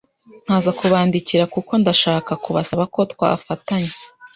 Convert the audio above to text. nkaza kubandikira kuko ndashaka kubasaba ko twafatanya